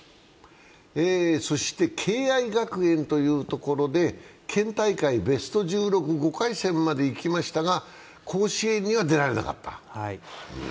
そして敬愛学園というところで県大会ベスト１６５回戦までいきましたが甲子園には出られなかった。